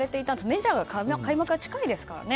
メジャーの開幕が近いですからね。